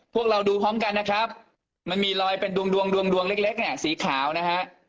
พวกเราดูพร้อมกันนะครับมันมีรอยเป็นดวงเล็กสีขาวนะฮะ